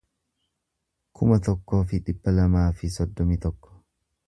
kuma tokkoo fi dhibba lamaa fi soddomii tokko